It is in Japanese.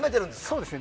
そうです。